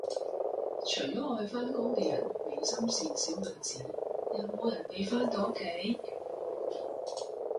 除咗愛返工嘅人美心善小女子，有冇人未返到屋企